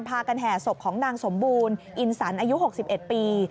พากันแห่ศพของนางสมบูรณ์อินสันอายุ๖๑ปี